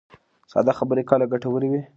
ساده خبرې کله ګټورې وي.